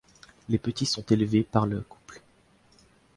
Les petits sont élevés par le couple.